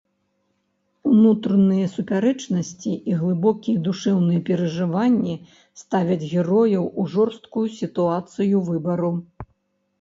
Унутраныя супярэчнасці і глыбокія душэўныя перажыванні ставяць герояў у жорсткую сітуацыю выбару.